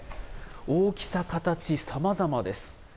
大きさ、形、さまざまです。